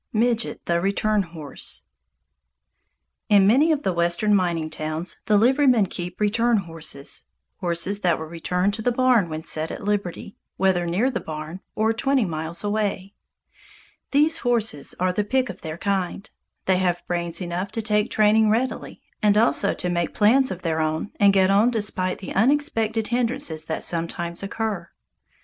Midget, the Return Horse In many of the Western mining towns, the liverymen keep "return horses," horses that will return to the barn when set at liberty, whether near the barn or twenty miles away. These horses are the pick of their kind. They have brains enough to take training readily, and also to make plans of their own and get on despite the unexpected hindrances that sometimes occur.